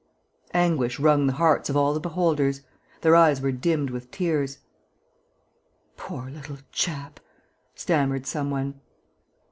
Anguish wrung the hearts of all the beholders. Their eyes were dimmed with tears: "Poor little chap!" stammered some one.